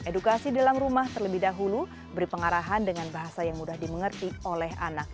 edukasi di dalam rumah terlebih dahulu beri pengarahan dengan bahasa yang mudah dimengerti oleh anak